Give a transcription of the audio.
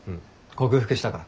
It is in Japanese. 克服したから。